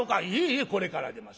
「ええこれから出ます